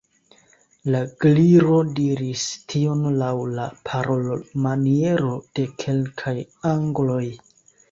La Gliro diris tion laŭ la parolmaniero de kelkaj angloj.